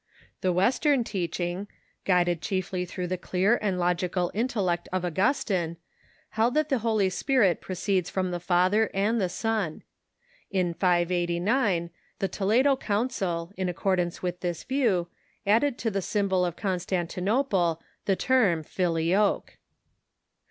The Western teaching, guided chiefly through the clear and logical intellect of Augustine, held that the Holy Spirit proceeds from the Father and the Son. In 589, the Toledo Council, in accordance with this view, added to the symbol of Constantinople the term Fllioque.